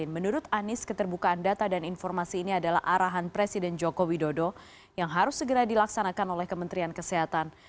menurut anies keterbukaan data dan informasi ini adalah arahan presiden joko widodo yang harus segera dilaksanakan oleh kementerian kesehatan